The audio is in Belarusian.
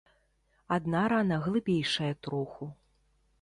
Адна рана глыбейшая троху.